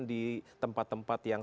di tempat tempat yang